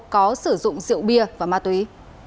có sử dụng rượu bia và ma túy